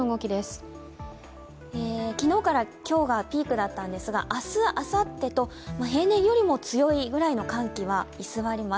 昨日から今日がピークだったんですが明日、あさってと平年よりも強いぐらいの寒気は居すわります。